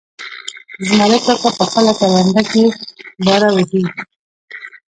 زمرک کاکا په خپله کرونده کې باره وهي.